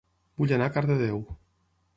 Vull anar a Cardedeu